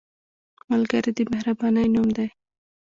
ملګری د مهربانۍ نوم دی